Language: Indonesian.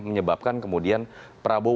menyebabkan kemudian prabowo walopo